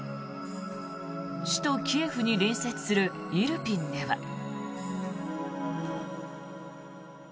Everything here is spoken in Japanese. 首都キエフに隣接するイルピンでは。